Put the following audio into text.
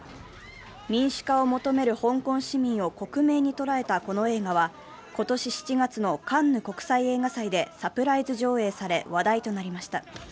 民主化を求める香港市民を克明に捉えたこの映画は今年７月のカンヌ国際映画祭でサプライズ上映され、話題となりました。